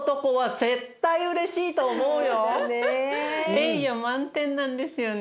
栄養満点なんですよね。